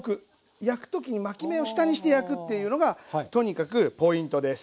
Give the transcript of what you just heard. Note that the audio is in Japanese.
焼く時に巻き目を下にして焼くっていうのがとにかくポイントです。